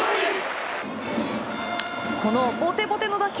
このボテボテの打球。